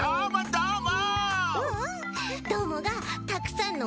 どーも！